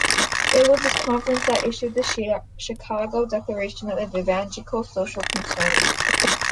It was this conference that issued the Chicago Declaration of Evangelical Social Concern.